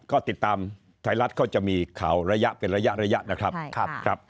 ก็ติดตามไทยรัฐก็จะมีข่าวระยะเป็นระยะนะครับ